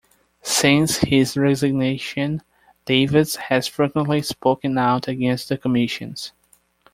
Since his resignation, Davis has frequently spoken out against the Commissions.